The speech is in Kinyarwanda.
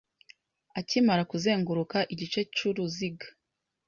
Akimara kuzenguruka igice c'uruziga